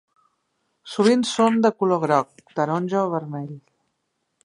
Sovint són de color groc, taronja o vermell.